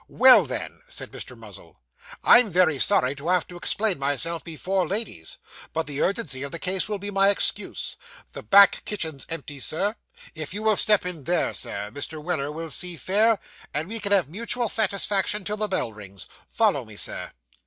'Well, then,' said Mr. Muzzle, 'I'm very sorry to have to explain myself before ladies, but the urgency of the case will be my excuse. The back kitchen's empty, Sir. If you will step in there, Sir, Mr. Weller will see fair, and we can have mutual satisfaction till the bell rings. Follow me, Sir!